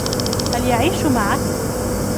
هل يعيش معك ؟